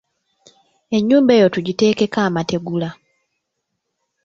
Ennyumba eyo tugiteekeko amategula.